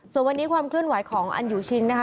ส่วนวันนี้ความเคลื่อนไหวของอันยูชิงนะคะ